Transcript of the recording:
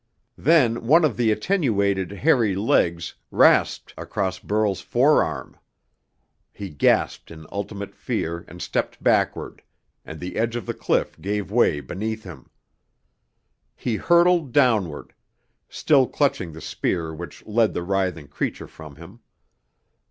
Then one of the attenuated, hairy legs rasped across Burl's forearm. He gasped in ultimate fear and stepped backward and the edge of the cliff gave way beneath him. He hurtled downward, still clutching the spear which led the writhing creature from him.